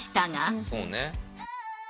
そうね。